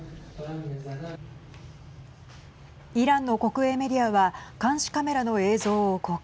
イランの国営メディアは監視カメラの映像を公開。